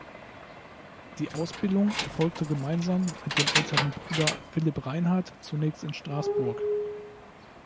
Die Ausbildung erfolgte gemeinsam mit dem älteren Bruder Philipp Reinhard zunächst in Straßburg.